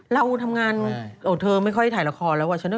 เราทำงานโอ้เธอไม่ค่อยได้ถ่ายละครแล้วอ่ะ